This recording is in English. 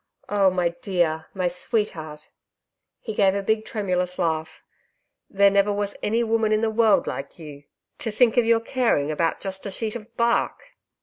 'Oh, my dear my sweetheart!' He gave a big, tremulous laugh.... 'There was never any woman in the world like you.... To think of your caring about just a sheet of bark!'